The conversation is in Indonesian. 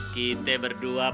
kita berdua pak haji